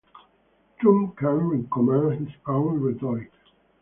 Trump can't command his own rhetoric.